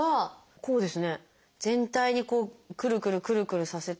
そうですね。